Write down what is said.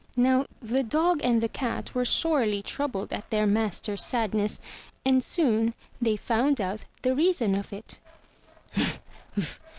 Now the dog and the cat were sorely troubled at their master's sadness, and soon they found out the reason of it.